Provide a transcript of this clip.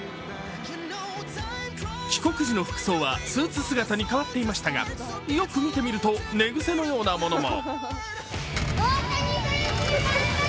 帰国時の服装はスーツ姿に変わっていましたが、よく見てみると、寝癖のようなものも。